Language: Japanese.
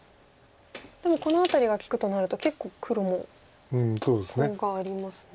でもこの辺りが利くとなると結構黒もコウがありますね。